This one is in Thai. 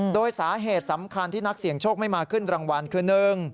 โดยสาเหตุสำคัญที่นักเสี่ยงโชคไม่มาขึ้นรางวัลคือ๑